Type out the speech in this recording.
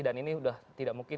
dan ini sudah tidak mungkin